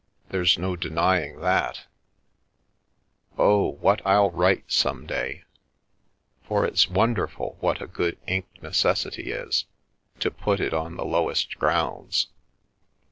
There's no denying that Oh, what I'll write some day ! For it's wonderful what a good ink necessity is, to put it on the lowest grounds.